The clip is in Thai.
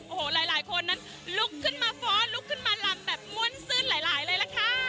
โอ้โหหลายคนนั้นลุกขึ้นมาฟ้อลุกขึ้นมาลำแบบม่วนซื่นหลายเลยล่ะค่ะ